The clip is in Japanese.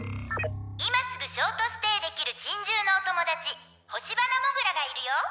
「今すぐショートステイできる珍獣のお友達ホシバナモグラがいるよ」